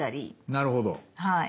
なるほど。